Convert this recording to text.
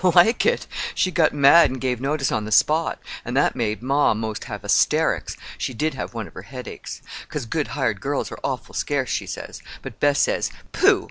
"Like it! She got mad an' gave notice on the spot. An' that made ma 'most have hysterics—she did have one of her headaches—'cause good hired girls are awful scarce, she says. But Bess says, Pooh!